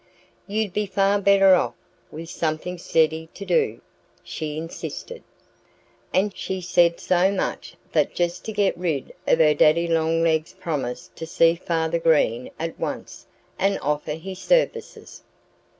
"You'd be far better off with something steady to do," she insisted. And she said so much that just to get rid of her Daddy Longlegs promised to see Farmer Green at once and offer his services.